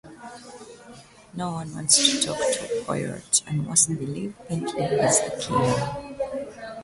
No one wants to talk to Poirot, and most believe Bentley is the killer.